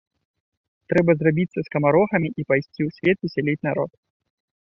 Трэба зрабіцца скамарохамі і пайсці ў свет весяліць народ.